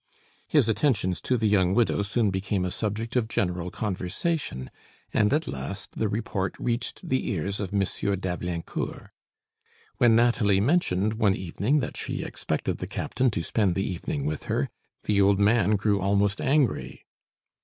His attentions to the young widow soon became a subject of general conversation, and, at last, the report reached the ears of M. d'Ablaincourt. When Nathalie mentioned, one evening, that she expected the captain to spend the evening with her, the old man grew almost angry.